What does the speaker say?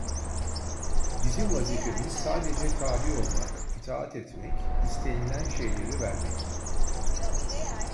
Bizim vazifemiz sadece tabi olmak, itaat etmek, istenilen şeyleri vermek…